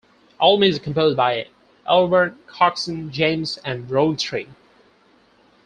All music composed by Albarn, Coxon, James and Rowntree.